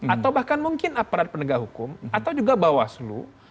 atau bahkan mungkin aparat penegak hukum atau juga bawaslu